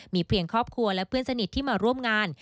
มีเพียงครอบครัวและเพื่อนสนิทที่มาร่วมงาน